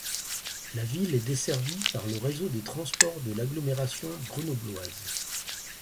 La ville est desservie par le réseau des Transports de l'agglomération grenobloise.